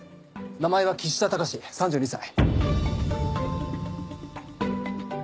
名前は岸田貴志３２歳。